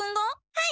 はい。